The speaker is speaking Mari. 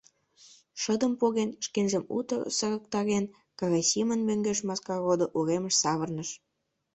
Шыдым поген, шкенжым утыр сырыктарен, Карасимын мӧҥгеш Маскародо уремыш савырныш.